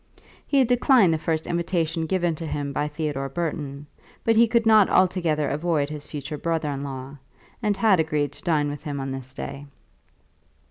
He had declined the first invitation given to him by Theodore Burton; but he could not altogether avoid his future brother in law, and had agreed to dine with him on this day.